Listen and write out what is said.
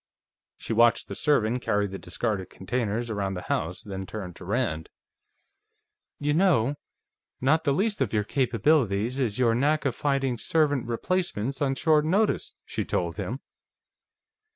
She watched the servant carry the discarded containers around the house, then turned to Rand. "You know, not the least of your capabilities is your knack of finding servant replacements on short notice," she told him.